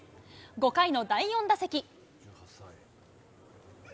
５回の第４打席。